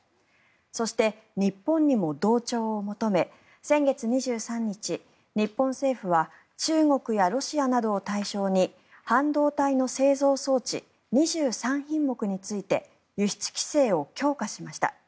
そして日本にも同調を求め先月２３日日本政府は中国やロシアなどを対象に半導体の製造装置２３品目について輸出規制を強化しました。